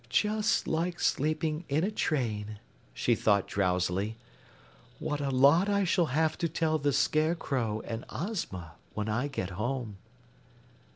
"Just like sleeping in a train," she thought drowsily. "What a lot I shall have to tell the Scarecrow and Ozma when I get home."